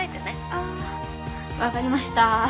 あ分かりました。